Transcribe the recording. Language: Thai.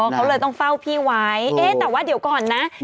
เขาเลยต้องเฝ้าพี่ไว้เอ๊ะแต่ว่าเดี๋ยวก่อนนะ